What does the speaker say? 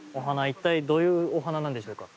一体どういうお花なんでしょうか。